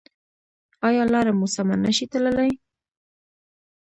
ایا لاره مو سمه نه شئ تللی؟